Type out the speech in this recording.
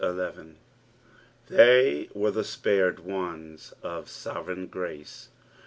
) Diey were the spared ones of sovereign grace.